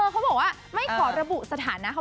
เขาบอกว่าไม่ขอระบุสถานะเขา